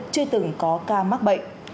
chưa từng có ca mắc bệnh